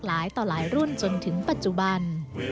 หลายต่อหลายรุ่นจนถึงปัจจุบัน